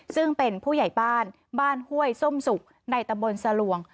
ซึ่งเป็นผู้ใหญ่บ้านบ้านห้วยส้มสุกในตะบนสลวง